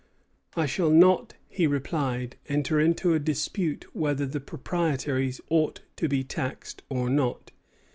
"I shall not," he replied, "enter into a dispute whether the proprietaries ought to be taxed or not.